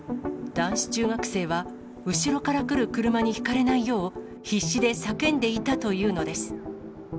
男子中学生は、後ろから来る車にひかれないよう、必死で叫んでいたというのです。